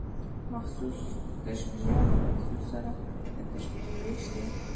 محسوس تشبیه له محسوس سره د تشبېه وېش.